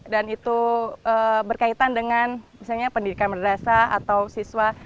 dan itu berkaitan dengan pendidikan madrasa atau siswa